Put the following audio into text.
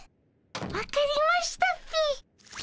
分かりましたっピィ。